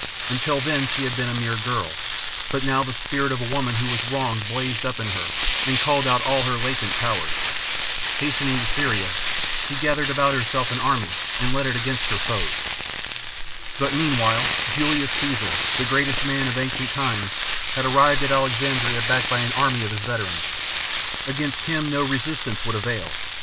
Until then she had been a mere girl; but now the spirit of a woman who was wronged blazed up in her and called out all her latent powers. Hastening to Syria, she gathered about herself an army and led it against her foes. But meanwhile Julius Caesar, the greatest man of ancient times, had arrived at Alexandria backed by an army of his veterans. Against him no resistance would avail.